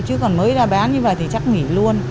chứ còn mới ra bán như vậy thì chắc nghỉ luôn